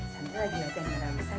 santri lagi liat tema rawisan